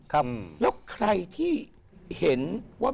แล้วใครที่เห็นว่า